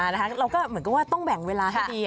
เราก็เหมือนกับว่าต้องแบ่งเวลาให้ดี